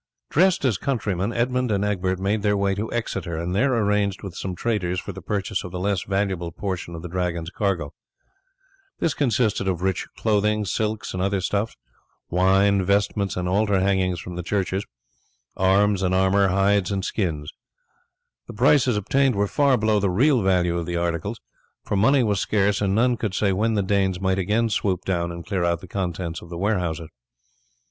Dressed as countrymen, Edmund and Egbert made their way to Exeter, and there arranged with some traders for the purchase of the less valuable portion of the Dragons cargo. This consisted of rich clothing, silks and other stuffs, wine, vestments, and altar hangings from churches, arms and armour, hides and skins. The prices obtained were far below the real value of the articles, for money was scarce, and none could say when the Danes might again swoop down and clear out the contents of the warehouses.